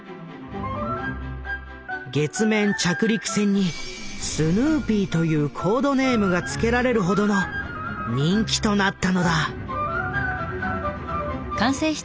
月面着陸船に「スヌーピー」というコードネームがつけられるほどの人気となったのだ。